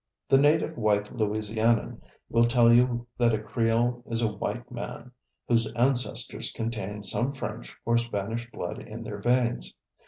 The native white Louisianian will tell you that a Creole is a white man, whose ancestors contain some French or Spanish blood in their veins.